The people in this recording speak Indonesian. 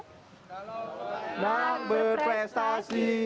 kalau menang berprestasi